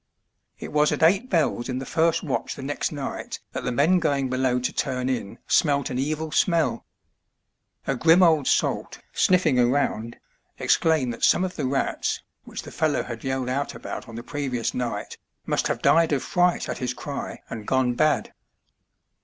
It was at eight bells in the first watch the next night that the men going below to turn in smelt an evil smell. A grim old salt sniffing around exclaimed that some of the rats, which the fellow had yelled out about on the previous night, must have died of fright at his cry and gone bad.